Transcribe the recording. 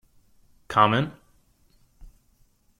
Comment?